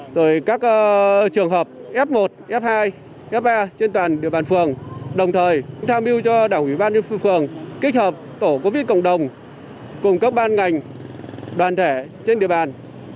rồi các trường hợp f một f hai f ba trên toàn địa bàn phường đồng thời tham mưu cho đảng ủy ban dân phường kích hợp tổ covid cộng đồng cùng các ban ngành đoàn thể trên địa bàn